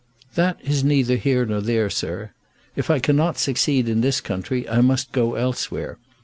"That is neither here nor there, sir. If I cannot succeed in this country I must go elsewhere.